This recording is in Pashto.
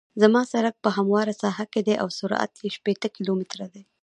زما سرک په همواره ساحه کې دی او سرعت یې شپیته کیلومتره دی